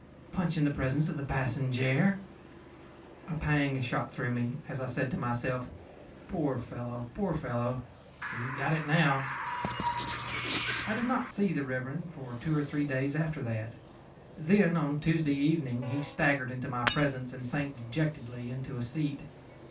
Punch in the presence of the passenjare!ö A pang shot through me as I said to myself, ōPoor fellow, poor fellow! he has got it, now.ö I did not see Mr. for two or three days after that. Then, on Tuesday evening, he staggered into my presence and sank dejectedly into a seat.